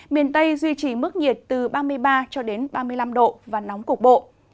miền tây duy trì mức nhiệt từ ba mươi ba ba mươi năm độ và nóng cục bộ